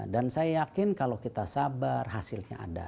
dan saya yakin kalau kita sabar hasilnya ada